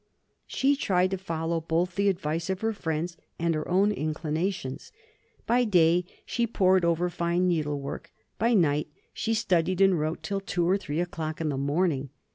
She tried to follow both the advice of her friends and her own inclinations. By day she pored over fine needlework, by night she studied and wrote till two or three o'clock in the morning.